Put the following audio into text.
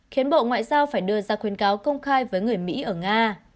khiến bộ ngoại giao phải đưa ra khuyên cáo công khai với người mỹ ở nga